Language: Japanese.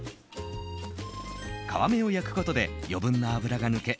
皮目を焼くことで余分な脂が抜け